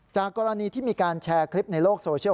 กรณีที่มีการแชร์คลิปในโลกโซเชียล